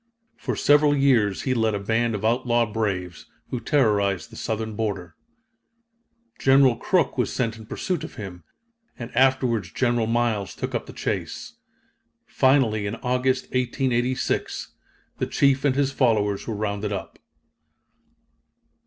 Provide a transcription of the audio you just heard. For several years he led a band of outlaw braves, who terrorized the Southern border. General Crook was sent in pursuit of him, and afterwards General Miles took up the chase. Finally in August, 1886, the chief and his followers were rounded up.